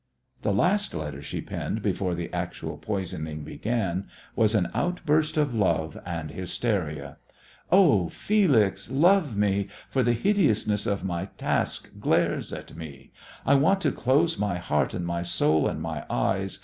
The last letter she penned before the actual poisoning began was an outburst of love and hysteria. "Oh, Felix, love me, for the hideousness of my task glares at me. I want to close my heart and my soul and my eyes.